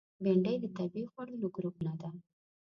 بېنډۍ د طبیعي خوړو له ګروپ نه ده